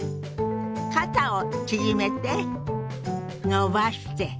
肩を縮めて伸ばして。